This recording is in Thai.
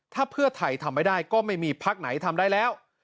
ถ้าเพื่อไทยทำไม่ได้ก็ไม่มีพักไหนทำได้แล้ว